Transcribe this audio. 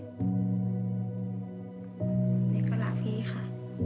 นี่ก็รักพี่ค่ะ